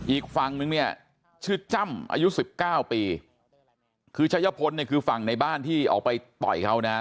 อีกฝั่งนึงเนี่ยชื่อจ้ำอายุสิบเก้าปีคือชัยพลเนี่ยคือฝั่งในบ้านที่ออกไปต่อยเขานะฮะ